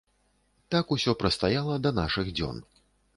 Так усё прастаяла да нашых дзён.